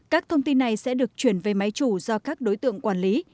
các thông tin này sẽ được chuyển về máy chủ do các đối tượng quản lý